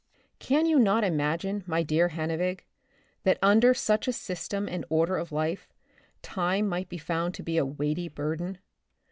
Can you not imagine, my dear Hannevig, that under such a system and order of life, time might be found to be a weighty burden?